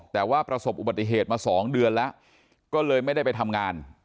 แต่ว่าประสบอุบัติเหตุมา๒เดือนแล้วก็เลยไม่ได้ไปทำงาน